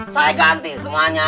saya ganti semuanya